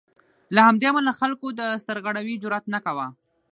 له همدې امله خلکو د سرغړاوي جرات نه کاوه.